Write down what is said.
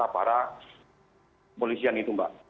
para polisian itu mbak